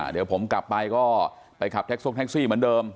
เดี๋ยวผมกลับไปก็ไปขับแท็กซกแท็กซี่เหมือนเดิม